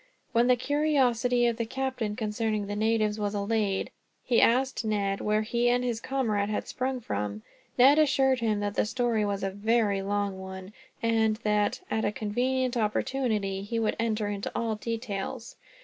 When the curiosity of the captain concerning the natives was allayed, he asked Ned where he and his comrade had sprung from. Ned assured him that the story was a very long one; and that, at a convenient opportunity, he would enter into all details.